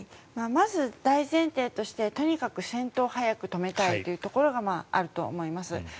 まず大前提としてとにかく戦闘を早く止めたいというところがあると思います。